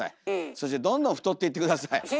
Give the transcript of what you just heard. そしてどんどん太っていって下さい。